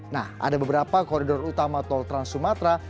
nah ada beberapa koridor utama tol trans sumatera